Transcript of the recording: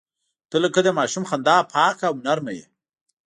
• ته لکه د ماشوم خندا پاکه او نرمه یې.